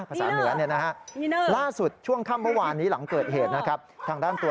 ภาษาเหนือเนี่ยนะฮะล่าสุดช่วงค่ำเมื่อวานนี้หลังเกิดเหตุนะครับทางด้านตัว